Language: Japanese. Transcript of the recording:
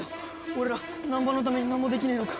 俺ら難破のために何もできねえのか。